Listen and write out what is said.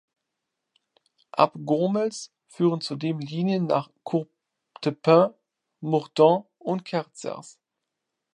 Ab Gurmels führen zudem Linien nach Courtepin, Murten und Kerzers.